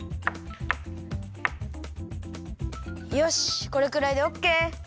よしこれくらいでオッケー。